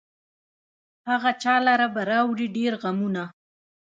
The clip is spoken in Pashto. هغه چا لره به راوړي ډېر غمونه